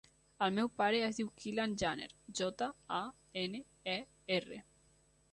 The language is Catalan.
El meu pare es diu Kylian Janer: jota, a, ena, e, erra.